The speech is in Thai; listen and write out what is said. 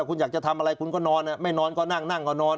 คุณอยากจะทำอะไรคุณก็นอนไม่นอนก็นั่งนั่งก็นอน